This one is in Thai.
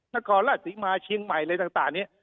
นักศึกษาสิงหมาเชียงใหม่อะไรต่างเนี่ย